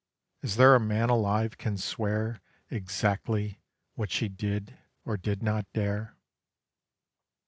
Is there a man alive can swear Exactly what she did or did not dare?